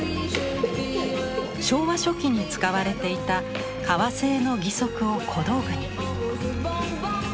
昭和初期に使われていた革製の義足を小道具に。